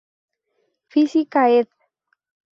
Física, Ed.